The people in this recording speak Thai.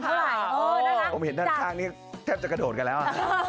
ผมเห็นด้านข้างนี้แทบจะกระโดดกันแล้ว